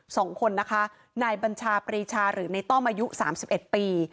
สองคนน่ะค่ะนายบัญชาปรีชาหรือในต้อมอายุ๓๑ปี